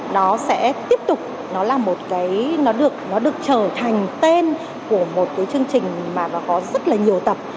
nó sẽ tiếp tục nó được trở thành tên của một chương trình mà có rất nhiều tập